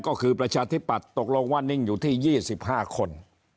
ก็คือประชาธิปัตย์ตกลงว่านิ่งอยู่ที่๒๕คน